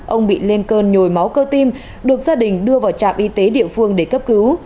ông bị lên cơn nhồi máu cơ tim được gia đình đưa vào trạm y tế địa phương để cấp cứu